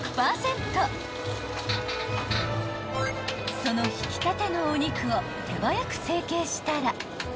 ［そのひきたてのお肉を手早く成形したら］